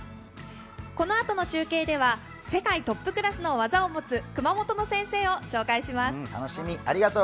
このあとの中継では世界トップクラスの技を持つ熊本の先生を紹介します。